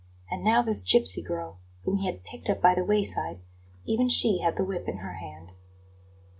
And now this gipsy girl, whom he had picked up by the wayside even she had the whip in her hand.